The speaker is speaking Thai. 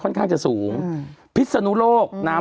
กรมป้องกันแล้วก็บรรเทาสาธารณภัยนะคะ